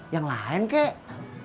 yang lain kek